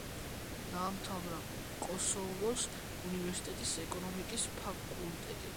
დაამთავრა კოსოვოს უნივერსიტეტის ეკონომიკის ფაკულტეტი.